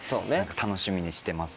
楽しみにしてます。